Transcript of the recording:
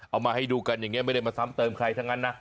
เอามาให้ดูกันอย่างนี้ไม่ได้มาซ้ำเติมใครทั้งนั้นนะ